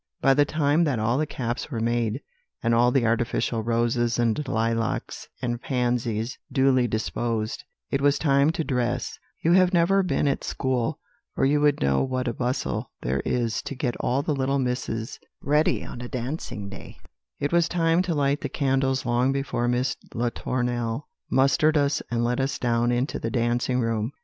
"By the time that all the caps were made, and all the artificial roses, and lilacs, and pansies duly disposed, it was time to dress. You have never been at school, or you would know what a bustle there is to get all the little misses ready on a dancing day. [Illustration: "What a bustle there is to get ready on a dancing day." Page 453.] "It was time to light the candles long before Miss Latournelle mustered us and led us down into the dancing room.